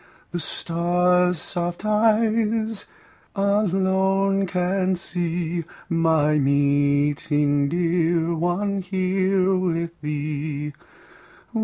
The stars' soft eyes alone can see My meeting, dear one, here with thee.